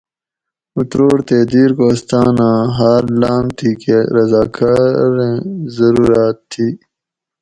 اُتروڑ تے دیر کوھستاۤن آں ھاۤر لاۤم تھی کہ رضاکۤاریں ضرورات تھی